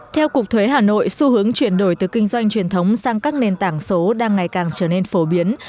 theo cục thuế hà nội xu hướng chuyển đổi từ kinh doanh truyền thống sang các nền tảng số đang ngày càng trở nên phổ biến